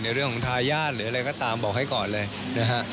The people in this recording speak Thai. เรื่องของทายาทหรืออะไรก็ตามบอกให้ก่อนเลยนะฮะ